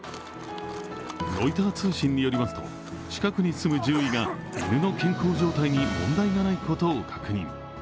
ロイター通信によりますと、近くに住む獣医が犬の健康状態に問題がないことを確認。